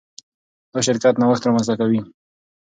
دا شرکت نوښت رامنځته کوي.